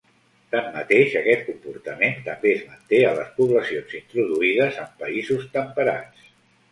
Tanmateix, aquest comportament també es manté a les poblacions introduïdes en països temperats.